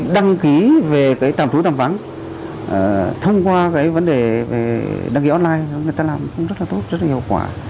đăng ký về tạm trú tạm vắng thông qua vấn đề đăng ký online người ta làm rất là tốt rất là hiệu quả